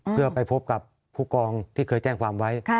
เพื่อไปพบกับผู้กองที่เคยแจ้งความไว้